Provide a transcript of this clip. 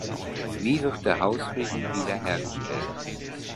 Wie wird der Hausfrieden wiederhergestellt?